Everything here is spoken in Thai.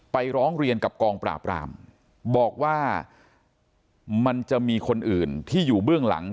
ร้องเรียนกับกองปราบรามบอกว่ามันจะมีคนอื่นที่อยู่เบื้องหลัง